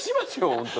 本当に。